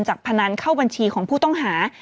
พนันเข้าบัญชีของผู้ต้องหา